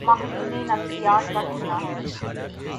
ماہرین نفسیات کا کہنا ہے